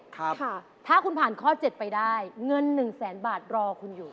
ถ้าคุณผ่านข้อ๗ไปได้เงิน๑แสนบาทรอคุณอยู่